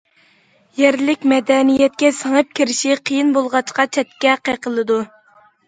يەرلىك مەدەنىيەتكە سىڭىپ كىرىشى قىيىن بولغاچقا چەتكە قېقىلىدۇ.